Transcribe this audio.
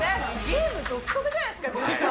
ゲーム独特じゃないですか？